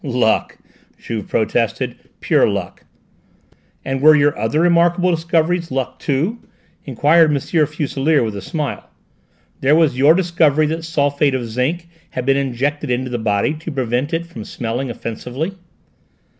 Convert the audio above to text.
"Luck," Juve protested: "pure luck!" "And were your other remarkable discoveries luck too?" enquired M. Fuselier with a smile. "There was your discovery that sulphate of zinc had been injected into the body to prevent it from smelling offensively."